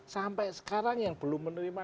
sampai sekarang yang belum menerima